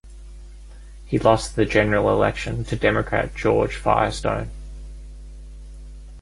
He lost the general election to Democrat George Firestone.